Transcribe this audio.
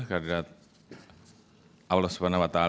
kepada allah swt